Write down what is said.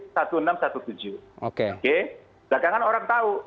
sedangkan orang tahu